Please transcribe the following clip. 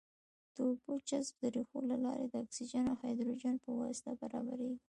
د اوبو جذب د ریښو له لارې د اکسیجن او هایدروجن په واسطه برابریږي.